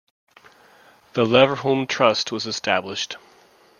The Leverhulme Trust was established.